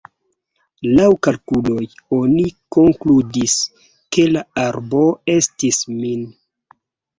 Laŭ kalkuloj, oni konkludis, ke la arbo estis min.